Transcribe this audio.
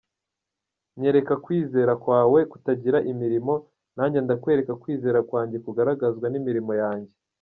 " Nyereka kwizera kwawe kutagira imirimo, nanjye ndakwereka kwizera kwanjye kugaragazwa n'imirimo yanjye.